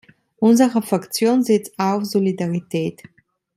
Unsere Fraktion setzt auf Solidarität.